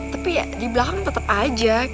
tapi ya di belakang tetap aja